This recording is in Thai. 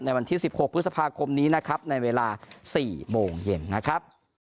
วันที่๑๖พฤษภาคมนี้นะครับในเวลา๔โมงเย็นนะครับ